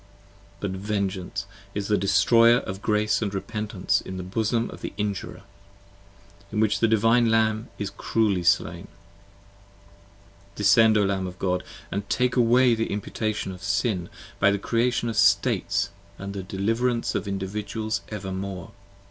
10 But Vengeance is the destroyer of Grace & Repentence in the bosom Of the Injurer: in which the Divine Lamb is cruelly slain! Descend, O Lamb of God, & take away the imputation of Sin By the Creation of States & the deliverance of Individuals Evermore.